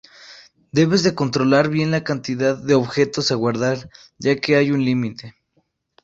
Debes controlar bien la cantidad de objetos a guardar, ya que hay un límite.